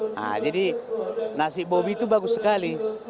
nah jadi nasib bobi itu bagus sekali